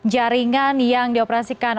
jaringan yang dioperasikan